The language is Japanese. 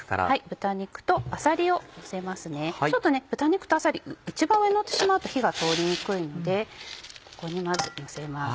豚肉とあさり一番上にのってしまうと火が通りにくいのでここにまずのせます。